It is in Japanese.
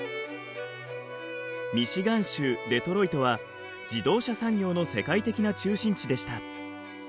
ミシガン州デトロイトは自動車産業の世界的な中心地でした。